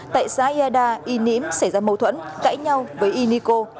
tại xã yeda y ním xảy ra mâu thuẫn cãi nhau với y niko